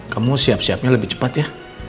kamu siap siapnya lebih cepat ya